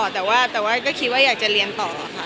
แต่ว่าก็คิดว่าอยากจะเรียนต่อค่ะ